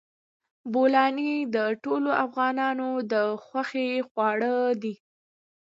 بولاني د ټولو افغانانو د خوښې خواړه دي.